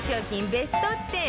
ベスト１０